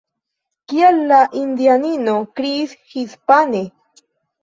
Kial la indianino kriis hispane?